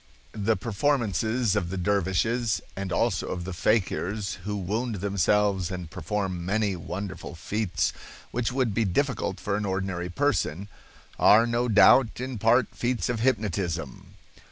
The performances of the dervishes, and also of the fakirs, who wound themselves and perform many wonderful feats which would be difficult for an ordinary person, are no doubt in part feats of hypnotism.